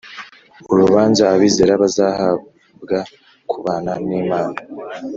Urubanza abizera bazahabwa kubana n Imana